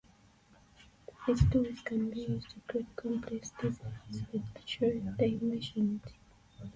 These tools can be used to create complex designs with accurate dimensions.